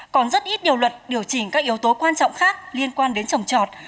còn rất ít điều luật điều chỉnh các yếu tố quan trọng khác liên quan đến trồng trọt